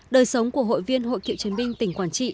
đời sống của hội viên hội cựu chiến binh tỉnh quảng trị